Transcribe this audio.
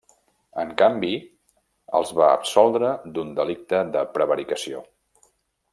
En canvi, els va absoldre d'un delicte de prevaricació.